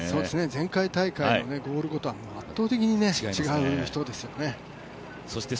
前回大会ゴール後とは圧倒的に違う人ですよね。